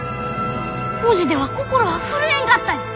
文字では心は震えんかったに！